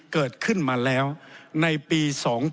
เกิดขึ้นมาแล้วในปี๒๕๖๒